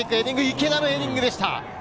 池田のヘディングでした。